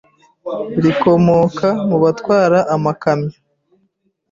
rikomoka mu batwara amakamyo